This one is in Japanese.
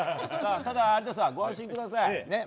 ただ、有田さんご安心ください。